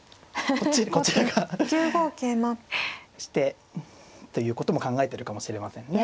こちらがしてということも考えてるかもしれませんね。